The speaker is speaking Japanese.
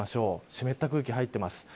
湿った空気が入ってます。